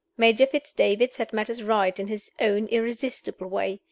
Major Fitz David set matters right in his own irresistible way.